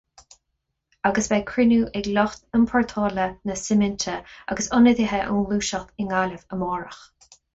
Agus beidh cruinniú ag lucht iompórtála na suiminte agus ionadaithe ón nGluaiseacht i nGaillimh amárach.